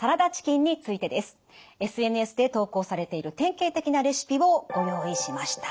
ＳＮＳで投稿されている典型的なレシピをご用意しました。